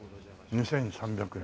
２３００円。